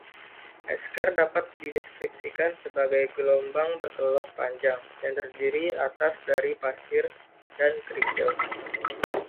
Esker dapat dideskripsikan sebagai gelombang berkelok panjang yang terdiri atas dari pasir dan kerikil.